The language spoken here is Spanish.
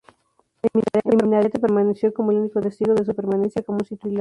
El minarete permaneció como el único testigo de su permanencia como un sitio islámico.